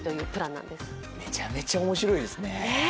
なるほど、めちゃめちゃ面白いですね。